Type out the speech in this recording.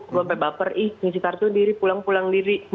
gue sampai baper ih ngisi kartu diri pulang pulang diri